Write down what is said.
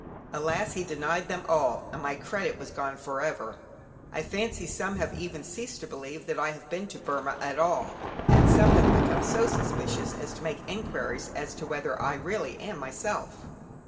Alas! he denied them all, and my credit was gone for ever. I fancy some have even ceased to believe that I have been to Burmah at all, and some have become so suspicious as to make enquiries as to whether I really am myself.